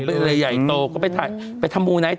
เป็นใหญ่โตก็ไปทำโมงไนท์